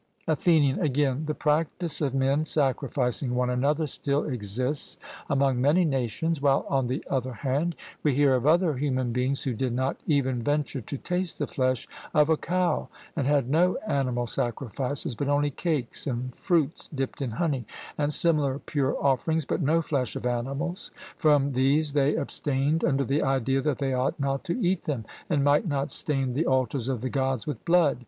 ATHENIAN: Again, the practice of men sacrificing one another still exists among many nations; while, on the other hand, we hear of other human beings who did not even venture to taste the flesh of a cow and had no animal sacrifices, but only cakes and fruits dipped in honey, and similar pure offerings, but no flesh of animals; from these they abstained under the idea that they ought not to eat them, and might not stain the altars of the Gods with blood.